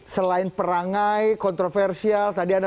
selain perangai kontroversial tadi anda